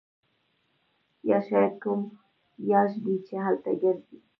یا شاید کوم یاږ دی چې هلته ګرځي